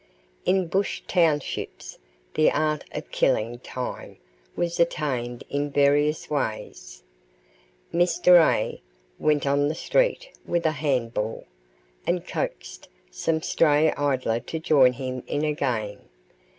In bush townships the art of killing time was attained in various ways. Mr. A. went on the street with a handball, and coaxed some stray idler to join him in a game.